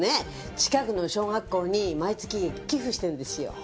近くの小学校に毎月寄付してるんですよ。